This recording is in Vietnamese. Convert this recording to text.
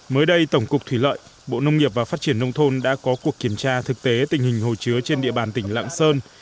mới đây tổng cục thủy lợi bộ nông nghiệp và phát triển nông thôn đã có cuộc kiểm tra thực tế tình hình hồ chứa trên địa bàn tỉnh lạng sơn